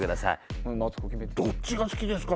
どっちが好きですか？